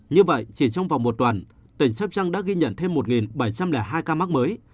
như vậy chỉ trong vòng một tuần tỉnh sóc trăng đã ghi nhận thêm một bảy trăm linh hai ca mắc mới